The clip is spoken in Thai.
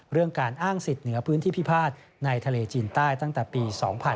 เรื่องการอ้างสิทธิ์เหนือพื้นที่พิพาทในทะเลจีนใต้ตั้งแต่ปี๒๕๕๙